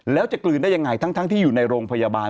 แล้วจะกลืนได้ยังไงทั้งที่อยู่ในโรงพยาบาล